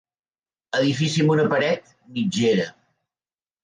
Edifici amb una paret mitgera.